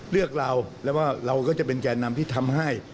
เลือกเราแล้วก็เราก็จะเป็นแก่นำที่ทำให้